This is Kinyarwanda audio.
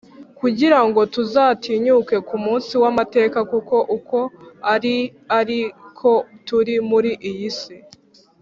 kugira ngo tuzatinyuke ku munsi w’amateka, kuko uko ari ari ko turi muri iyi si.